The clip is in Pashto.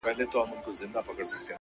د کښتۍ آرام سفر سو ناکراره-